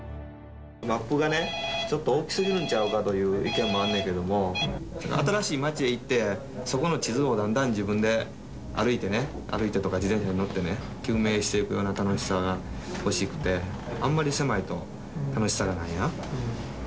マップがちょっと大きすぎるんちゃうかという意見もあんねんけども、新しい町へ行って、そこの地図をだんだん自分で歩いてね、歩いてとか自転車に乗って究明していくような楽しさが欲しくて、あんまり狭いと楽しさがないな。